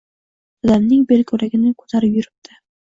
Dadamning belkuragini ko`tarib yuribdi